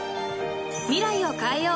［未来を変えよう！